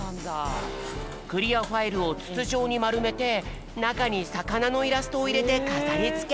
クリアファイルをつつじょうにまるめてなかにさかなのイラストをいれてかざりつけ。